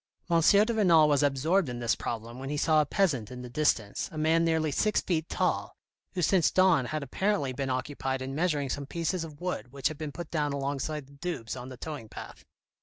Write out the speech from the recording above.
M. de Renal was absorbed in this problem when he saw a peasant in the distance, a man nearly six feet tall, who since dawn had apparently been occupied in measuring some pieces of wood which had been put down alongside the Doubs on the towing path.